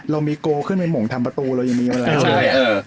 เรามีโกลขึ้นไปหม่งทำประตูเรายังมีเวลาเลย